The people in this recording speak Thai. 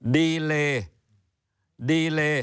ดีเลย์